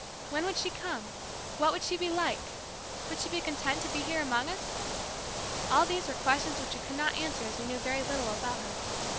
When would she come? What would she be like? Would she be content to be here among us? All these were questions which we could not answer as we knew very little about her.